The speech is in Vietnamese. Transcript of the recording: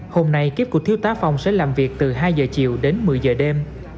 hôm nay kiếp của thiếu tá phong sẽ làm việc từ hai h chiều đến một mươi h đêm